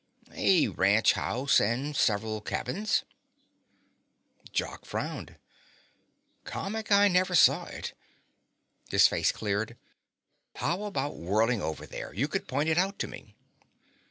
"A ranch house and several cabins." Jock frowned. "Comic I never saw it." His face cleared. "How about whirling over there? You could point it out to me."